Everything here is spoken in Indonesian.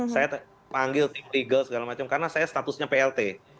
saya panggil tim legal segala macam karena saya statusnya plt